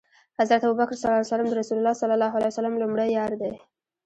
حضرت ابوبکر ص د رسول الله ص لمړی یار دی